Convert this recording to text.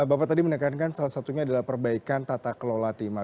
bapak tadi menekankan salah satunya adalah perbaikan tata kelola timah